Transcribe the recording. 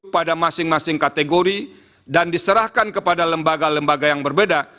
pada masing masing kategori dan diserahkan kepada lembaga lembaga yang berbeda